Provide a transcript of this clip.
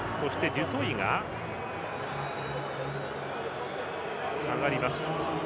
デュトイが下がります。